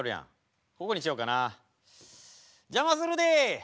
邪魔するで！